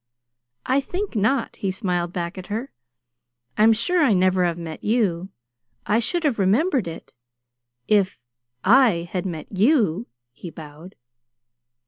"I think not," he smiled back at her. "I'm sure I never have met you. I should have remembered it if I had met YOU," he bowed.